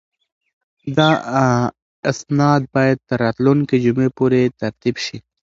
دا اسناد باید تر راتلونکې جمعې پورې ترتیب شي.